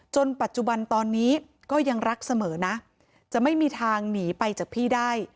ปัจจุบันตอนนี้ก็ยังรักเสมอนะจะไม่มีทางหนีไปจากพี่ได้